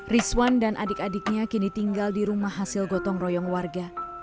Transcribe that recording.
rizwan dan adik adiknya kini tinggal di rumah hasil gotong royong warga